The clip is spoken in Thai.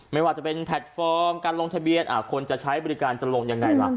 ไม่ว่าจะเป็นแพลตฟอร์มการลงทะเบียนคนจะใช้บริการจะลงยังไงล่ะ